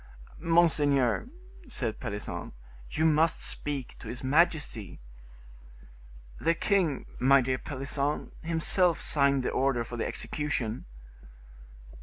"Monseigneur," said Pelisson, "you must speak to his majesty." "The king, my dear Pelisson, himself signed the order for the execution."